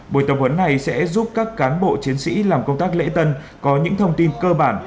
buổi tập huấn này sẽ giúp các cán bộ chiến sĩ làm công tác lễ tân có những thông tin cơ bản